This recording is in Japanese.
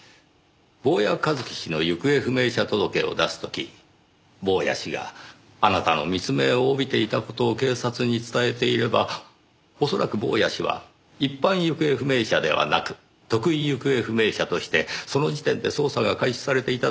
坊谷一樹氏の行方不明者届を出す時坊谷氏があなたの密命を帯びていた事を警察に伝えていれば恐らく坊谷氏は一般行方不明者ではなく特異行方不明者としてその時点で捜査が開始されていたでしょう。